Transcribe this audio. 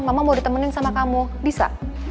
mama mau ditemenin sama kamu bisa